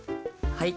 はい。